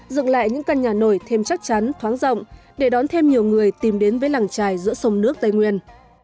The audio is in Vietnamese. dựng lại những căn nhà nổi thêm chắc chắn thoáng rộng để đón thêm nhiều người tìm đến với làng trài giữa sông nước tây nguyên